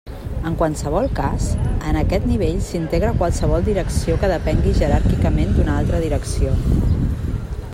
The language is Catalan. En qualsevol cas, en aquest nivell s'integra qualsevol Direcció que depengui jeràrquicament d'una altra Direcció.